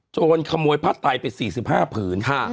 จนขโมยพระไตรไป๔๕ผื่น